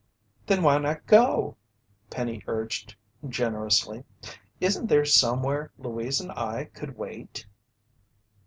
"Then why not go?" Penny urged generously. "Isn't there somewhere Louise and I could wait?"